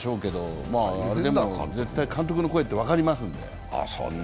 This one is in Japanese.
あれ、絶対監督の声って分かりますので。